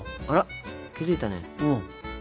あら気付いたね。